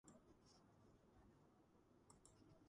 დაამარცხა, ააოხრა გურია და ალაფით ქუთაისში დაბრუნდა.